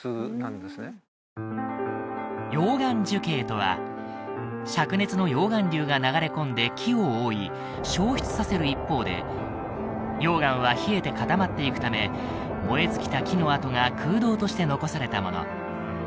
溶岩樹型とは灼熱の溶岩流が流れ込んで木を覆い焼失させる一方で溶岩は冷えて固まっていくため燃え尽きた木の跡が空洞として残されたもの